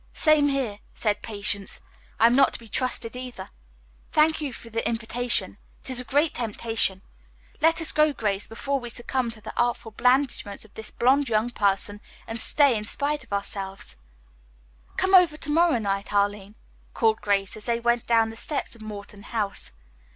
"Same here," said Patience. "I am not to be trusted, either. Thank you for the invitation; it is a great temptation. Let us go, Grace, before we succumb to the artful blandishments of this blonde young person and stay in spite of ourselves." "Come over to morrow night, Arline," called Grace as they went down the steps of Morton House.